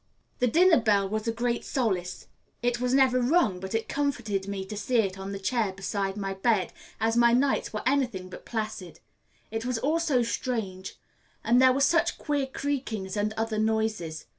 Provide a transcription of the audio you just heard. The dinner bell was a great solace; it was never rung, but it comforted me to see it on the chair beside my bed, as my nights were anything but placid, it was all so strange, and there were such queer creakings and other noises.